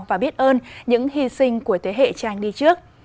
và biết ơn những hy sinh của thế hệ trang đi trước